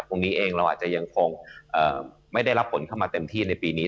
ตรงนี้เองเราอาจจะยังคงไม่ได้รับผลเข้ามาเต็มที่ในปีนี้